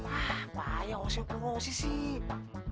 apa aja gak usah ngeproses sih